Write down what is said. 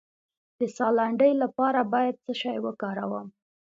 د ساه لنډۍ لپاره باید څه شی وکاروم؟